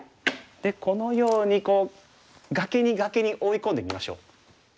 でこのように崖に崖に追い込んでみましょう。